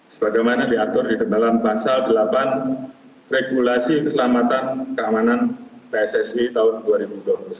sebagaimana diatur di dalam pasal delapan regulasi keselamatan keamanan pssi tahun dua ribu dua puluh satu